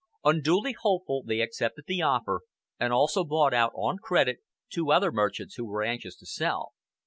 Unduly hopeful, they accepted the offer, and also bought out, on credit, two other merchants who were anxious to sell.